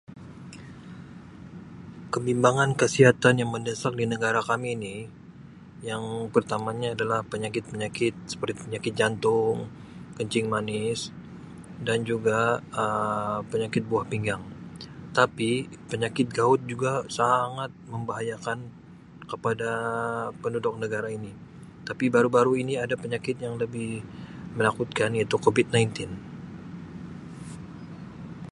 Kebimbangan kesihatan yang mendesak di negara kami ni yang pertamanya adalah penyakit-penyakit seperti penyakit jantung, kencing manis dan juga penyakit buah pinggang. tapi penyakit gout juga sangat membahayakan kepada penduduk negara ini. tapi baru-baru ini ada penyakit yang lebih menakutkan iaitu covid nineteen.